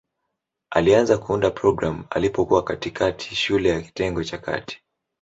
Alianza kuunda programu alipokuwa katikati shule ya kitengo cha kati.